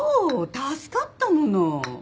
助かったもの。